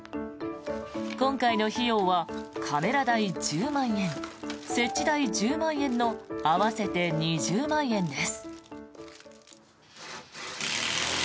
今回の費用はカメラ代１０万円設置代１０万円の合わせて２０万円です。